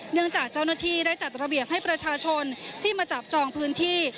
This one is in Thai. จากเจ้าหน้าที่ได้จัดระเบียบให้ประชาชนที่มาจับจองพื้นที่